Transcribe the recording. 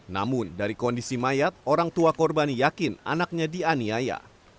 namun dari kondisi mayat orang tua korban yakin anaknya dianiaya